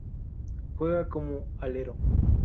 Juega como alero.